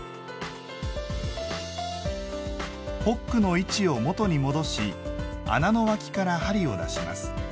ホックの位置を元に戻し穴の脇から針を出します。